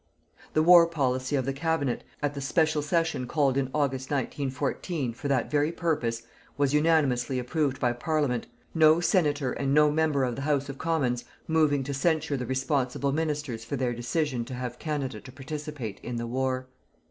The war policy of the Cabinet, at the special session called in August, 1914, for that very purpose, was unanimously approved by Parliament, no Senator and no Member of the House of Commons moving to censure the responsible ministers for their decision to have Canada to participate in the war.